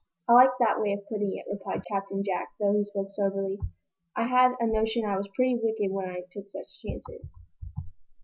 "I like that way of putting it," replied Captain Jack, though he spoke soberly. "I had a notion I was pretty wicked when I took such chances."